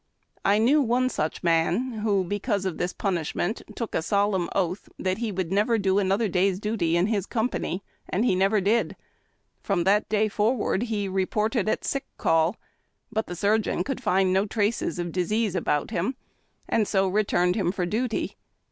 I knew one such man, who, because of this punishment, took a solemn oath that he would never do another day's duty in his company ; and he never did. From that day forward he reported at sick call, but the surgeon could find no traces of disease about him, and ISOLATED ON A PLATFORM. OFFENCES AND PUNISHMENTS. 149 SO returned liim for duty.